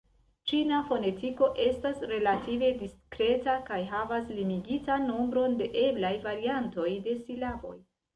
Ĉina fonetiko estas relative diskreta kaj havas limigitan nombron de eblaj variantoj de silaboj.